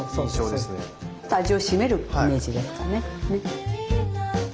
ちょっと味を締めるイメージですかね。